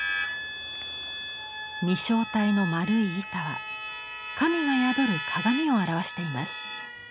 御正体の円い板は神が宿る鏡を表しています。